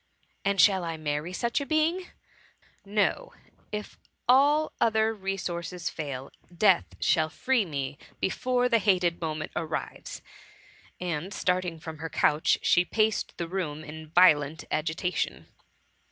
And shall I marry such a being ? No, if all other resources fail, death shall free me before the hated mo ment arrives !'^ and starting from her couch, she paced the room in violent agitation.